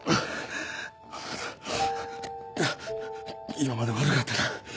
今まで悪かったな。